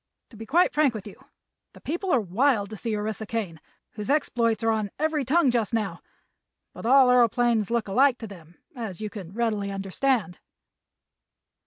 To be quite frank with you, the people are wild to see Orissa Kane, whose exploits are on every tongue just now, but all aëroplanes look alike to them, as you can readily understand."